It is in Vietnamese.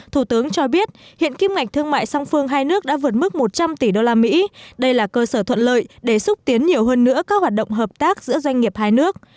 thủ tướng cho biết hiện kim ngạch thương mại song phương hai nước đã vượt mức một trăm linh tỷ usd đây là cơ sở thuận lợi để xúc tiến nhiều hơn nữa các hoạt động hợp tác giữa doanh nghiệp hai nước